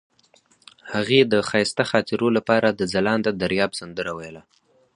هغې د ښایسته خاطرو لپاره د ځلانده دریاب سندره ویله.